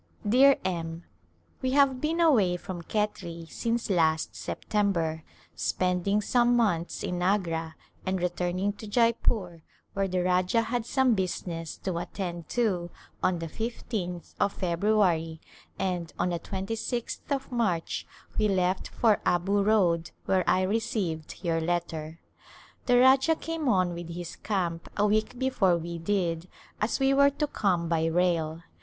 Dear M : We have been away from Khetri since last September, spending some months in Agra, and re turning to Jeypore, where the Rajah had some busi ness to attend to on the 15th of February and on the 26th of March we left for Abu Road where I re ceived your letter. The Rajah came on with his camp a week before we did as we were to come by rail.